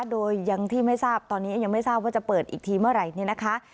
โดยยังที่ไม่ทราบตอนนี้ยังไม่ทราบว่าจะเปิดอีกทีเมื่อไหร่เนี่ยนะคะ